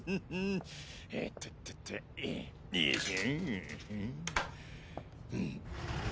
えとっとっとよいしょ。